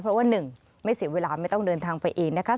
เพราะว่า๑ไม่เสียเวลาไม่ต้องเดินทางไปเอง